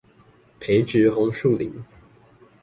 培植紅樹林